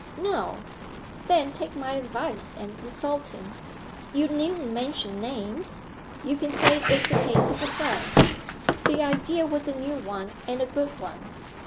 "No." "Then take my advice and consult him. You needn't mention names. You can say it's the case of a friend." The idea was a new one and a good one.